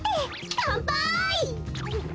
かんぱい！